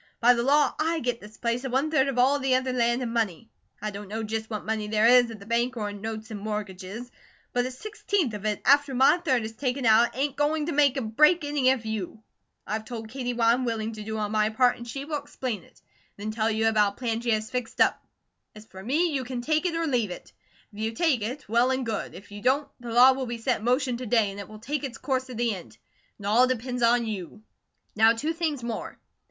By the law, I get this place and one third of all the other land and money. I don't know just what money there is at the bank or in notes and mortgages, but a sixteenth of it after my third is taken out ain't going to make or break any of you. I've told Katie what I'm willing to do on my part and she will explain it, and then tell you about a plan she has fixed up. As for me, you can take it or leave it. If you take it, well and good; if you don't, the law will be set in motion to day, and it will take its course to the end. It all depends on YOU. "Now two things more.